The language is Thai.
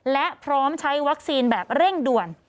และพร้อมใช้วัคซีนแบบเร่งด่วน